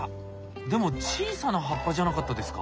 でも小さな葉っぱじゃなかったですか？